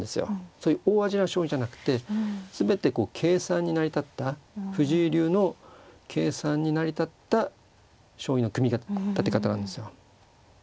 そういう大味な将棋じゃなくて全てこう計算に成り立った藤井流の計算に成り立った将棋の組み立て方なんですよ。